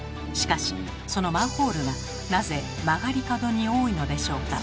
しかしそのマンホールがなぜ曲がり角に多いのでしょうか？